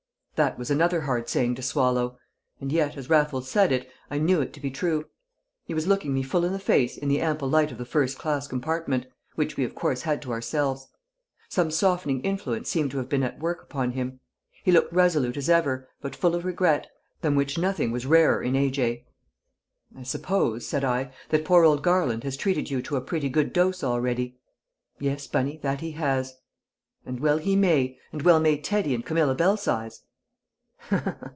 That was another hard saying to swallow; and yet, as Raffles said it, I knew it to be true. He was looking me full in the face in the ample light of the first class compartment, which we of course had to ourselves. Some softening influence seemed to have been at work upon him; he looked resolute as ever, but full of regret, than which nothing was rarer in A.J. "I suppose," said I, "that poor old Garland has treated you to a pretty good dose already?" "Yes, Bunny; that he has." "And well he may, and well may Teddy and Camilla Belsize!"